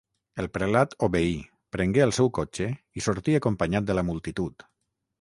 El prelat obeí, prengué el seu cotxe i sortí acompanyat de la multitud.